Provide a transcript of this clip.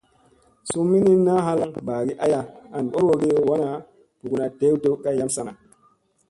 Suu minin na halaŋ ɓagi aya an ɓorowogi wana ɓuguna dew dew kay yam sana.